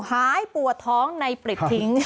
หายปวดท้องในปริบทิ้ง